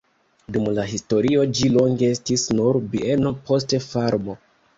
Dum la historio ĝi longe estis nur bieno, poste farmo.